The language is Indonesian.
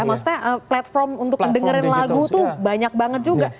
maksudnya platform untuk dengerin lagu tuh banyak banget juga